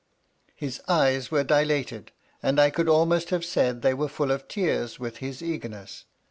His eyes were dilated, and I could almost have said they were full of tears with his eagerness.